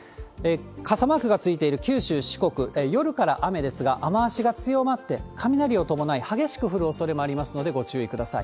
傘マークがついている九州、四国、夜から雨ですが、雨足が強まって、雷を伴い、激しく降るおそれもありますので、ご注意ください。